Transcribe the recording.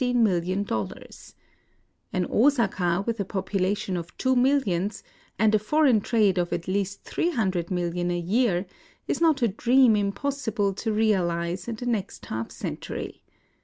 An 136 IN OSAKA Osaka with a population of two millions, and a foreign trade of at least 1300,000,000 a year, is not a dream impossible to realize in the next half century.